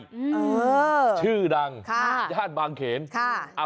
เออชื่อดังญาติบางเขนค่ะ